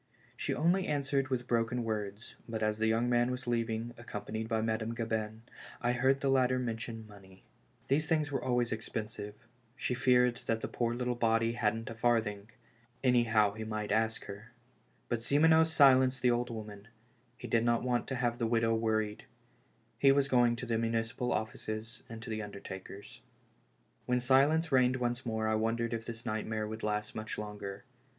She only answered with broken words, but as the young man was leaving, accompanied by Madame Gabin, I heard the latter mention money. These things were always expensive — she feared that the poor little body hadn't a farthing — anyhow he might ask her. But Simoneau silenced the old woman; he did not want to have the widow worried ; he was going to the municipal offices and to the undertakers. AVhen silence reigned once more I wondered if this nightmare would last much longer.